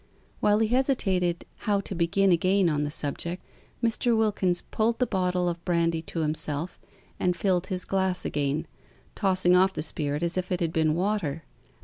While he hesitated how to begin again on the subject, Mr. Wilkins pulled the bottle of brandy to himself and filled his glass again, tossing off the spirit as if it had been water.